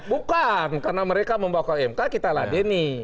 bukan karena mereka membawa ke mk kita lah denny